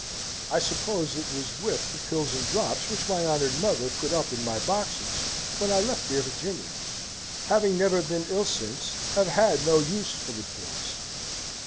I suppose it was with the Pills and Drops which my honoured Mother put up in my boxes, when I left dear Virginia. Having never been ill since, have had no use for the pills.